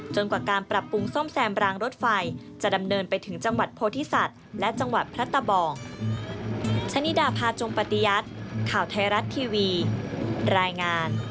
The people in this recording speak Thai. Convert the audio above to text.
กว่าการปรับปรุงซ่อมแซมรางรถไฟจะดำเนินไปถึงจังหวัดโพธิสัตว์และจังหวัดพระตะบอง